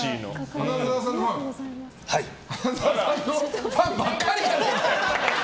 花澤さんのファンばっかりじゃん。